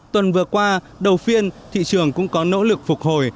tuần vừa qua đầu phiên thị trường cũng có nỗ lực phục hồi